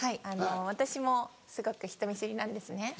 私もすごく人見知りなんですね。